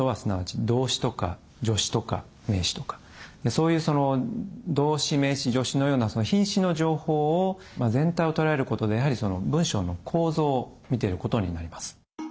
そういう動詞名詞助詞のような品詞の情報を全体を捉えることでやはり文章の構造を見てることになります。